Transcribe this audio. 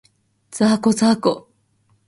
ざーこ、ざーこ